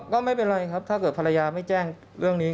ก็ไม่เป็นไรครับถ้าเกิดภรรยาไม่แจ้งเรื่องนี้